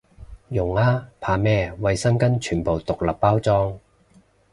用啊，怕咩，衛生巾全部獨立包裝